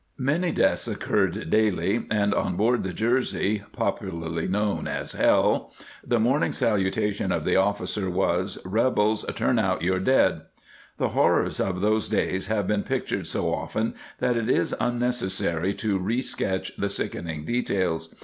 ^ Many deaths occurred daily, and on board the Jersey (popularly known as Hell) the morn ing salutation of the officer was :" Rebels, turn out your dead !"* The horrors of those days have been pictured so often that it is unnecessary to re sketch the sickening details.